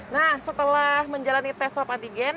nah setelah menjalani tes swab antigen